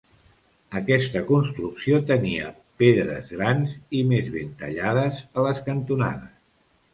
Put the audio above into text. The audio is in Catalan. Aquesta construcció tenia pedres grans i més ben tallades a les cantonades.